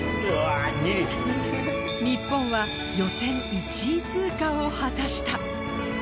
日本は予選１位通過を果たした。